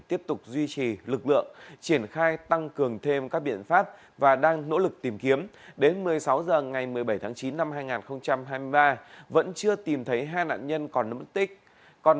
tiếp tục dùng nạn nhân để tìm kiếm ba nạn nhân